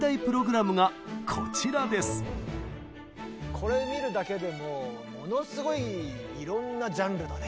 これ見るだけでもものすごいいろんなジャンルだね。